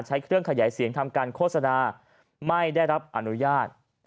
ใช้เครื่องขยายเสียงทำการโฆษณาไม่ได้รับอนุญาต